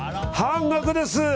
半額です。